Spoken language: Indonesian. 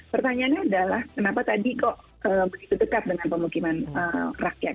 pertanyaannya adalah kenapa tadi kok begitu dekat dengan pemukiman rakyat